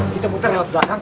kita putar lewat belakang